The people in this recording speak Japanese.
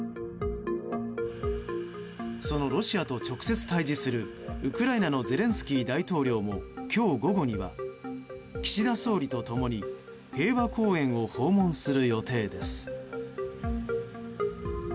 そのロシアと直接対峙するウクライナのゼレンスキー大統領も今日午後には、岸田総理と共に平和公園を訪問する予定です。